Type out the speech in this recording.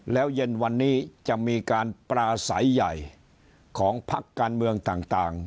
แล้วเย็นวันนี้จะมีการปราศัยใหญ่ของพักการเมืองต่าง